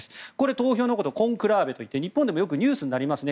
投票のことをコンクラーベといって、日本でもニュースになりますね。